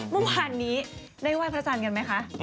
เมื่อวานนี้ได้ไหว้พระจันทร์กันไหมคะ